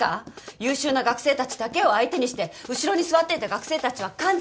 優秀な学生たちだけを相手にして後ろに座っていた学生たちは完全に無視していましたよね？